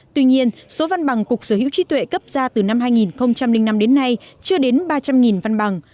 tuy nhiên số văn bằng cục sở hữu trí tuệ cấp ra từ năm hai nghìn năm đến nay chưa đến ba trăm linh văn bằng